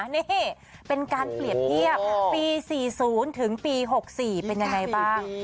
นี่เป็นการเปรียบเทียบปี๔๐ถึงปี๖๔เป็นยังไงบ้าง